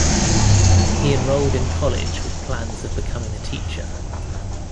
He enrolled in college with plans of becoming a teacher.